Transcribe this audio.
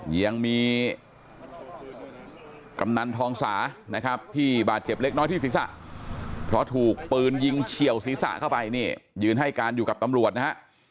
ยังมีกำนันทองสานะครับที่บาดเจ็บเล็กน้อยที่ศีรษะเพราะถูกปืนยิงเฉียวศีรษะเข้าไปนี่ยืนให้การอยู่กับตำรวจนะฮะ